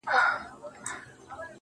لکه کنگل تودو اوبو کي پروت يم.